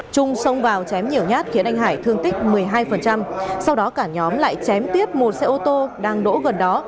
trung xông vào chém nhiều nhát khiến anh hải thương tích một mươi hai sau đó cả nhóm lại chém tiếp một xe ô tô đang đỗ gần đó